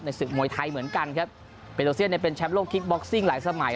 ศึกมวยไทยเหมือนกันครับเบโลเซียนเนี่ยเป็นแชมป์โลกคิกบ็อกซิ่งหลายสมัย